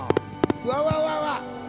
わわわわ！